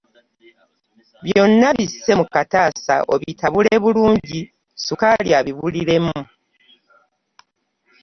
Byonna bisse mu kataasa obitabule bulungi sukaali abibuliremu.